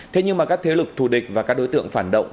thế nhưng mà các thế lực thù địch và các đối tượng phản động